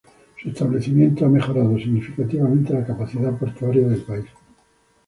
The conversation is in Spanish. Su establecimiento ha mejorado significativamente la capacidad portuaria del país.